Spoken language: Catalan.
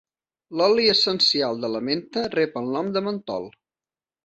L'oli essencial de la menta rep el nom de mentol.